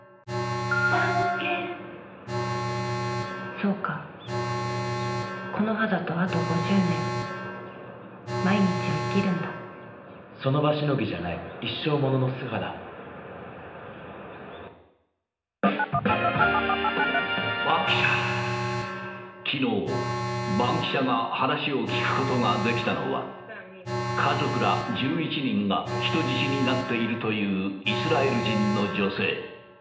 そうかこの肌とあと５０年その場しのぎじゃない一生ものの素肌きのう、バンキシャが話を聞くことができたのは、家族ら１１人が人質になっているというイスラエル人の女性。